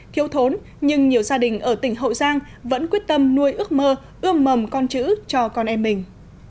thiếu thốn nhưng nhiều gia đình ở tỉnh hậu giang vẫn quyết tâm nuôi ước mơ ươm mầm con chữ cho con em mình